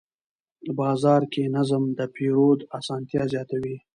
بازار کې نظم د پیرود اسانتیا زیاتوي